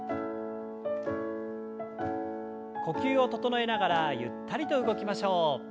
呼吸を整えながらゆったりと動きましょう。